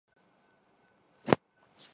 لیکن سارے معاملے کی پہل ہماری تھی۔